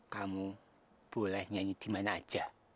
kamu boleh nyanyi dimana aja